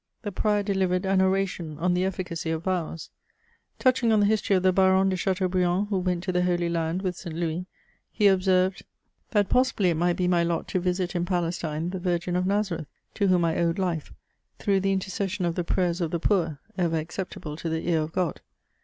The Prior delivered an oration on the efficacy of vows. Touching on the history of the Baron de Chateaubriand, who went to the Holy Land with St. Louis, he observed^ that possibly it might CHATEAUBRUMD. 63 be mj lot to visit in Palestine the Virgin of Nazareth, to whom I owed Ufe, through the intercession of the prayers of the poor, ever acceptable to the ear of Grod.